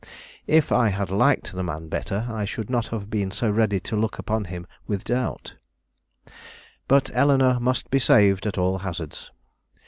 If I had liked the man better, I should not have been so ready to look upon him with doubt. But Eleanore must be saved at all hazards.